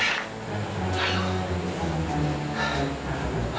aku enggak akan langsung bunuh dia